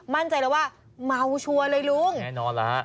มั่นใจแล้วว่าเมาชัวร์เลยลุงแน่นอนแล้วฮะ